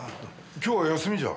今日は休みじゃ？